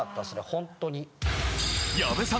ホントに。